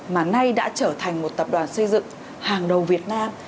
mà nay đã trở thành một tập đoàn xây dựng hàng đầu việt nam